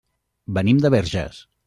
Venim de Verges.